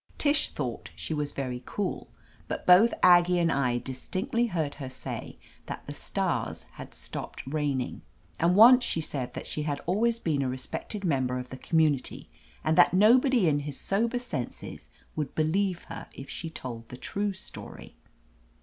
Tish thought she was very cool, but both Aggie and I distinctly heard her say that the stars had stopped raining. And once she said that she had always been a respected member of the community, and that nobody in his sober senses would believe her if she told the true story.